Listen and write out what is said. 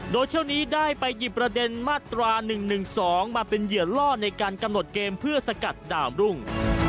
โดยเที่ยวนี้ได้ไปหยิบประเด็นมาตรา๑๑๒มาเป็นเหยื่อล่อในการกำหนดเกมเพื่อสกัดดามรุ่ง